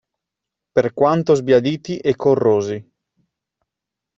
Per quanto sbiaditi e corrosi.